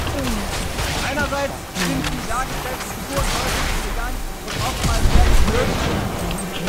Einerseits sind die dargestellten Figuren häufig elegant und oftmals sehr geschmückt.